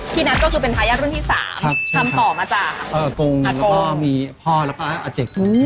พี่นั้นก็คือเป็นทายาทรุ่นที่๓ทำต่อมาจ้ะครับอักกงพ่อแล้วก็มีพ่อแล้วก็อาเจ็ก